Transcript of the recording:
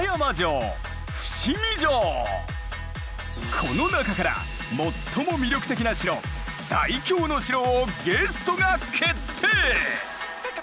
この中から最も魅力的な城最強の城をゲストが決定！